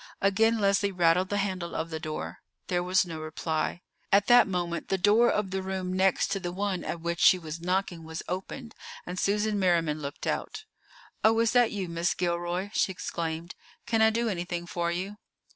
Again Leslie rattled the handle of the door. There was no reply. At that moment the door of the room next to the one at which she was knocking was opened, and Susan Merriman looked out. "Oh, is that you, Miss Gilroy?" she exclaimed. "Can I do anything for you?"